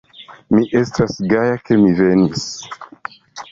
Mi estas gaja ke mi venis.